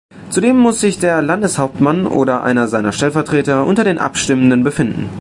Zudem muss sich der Landeshauptmann oder einer seiner Stellvertreter unter den Abstimmenden befinden.